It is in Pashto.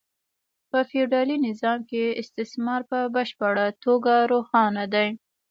په فیوډالي نظام کې استثمار په بشپړه توګه روښانه دی